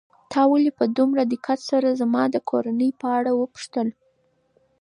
تا ولې په دومره دقت سره زما د کورنۍ په اړه وپوښتل؟